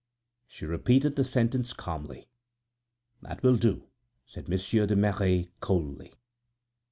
She repeated the sentence calmly. "That will do," said Monsieur de Merret, coldly.